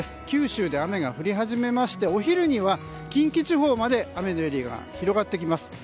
九州で雨が降り始めましてお昼には近畿地方まで雨のエリアが広がってきます。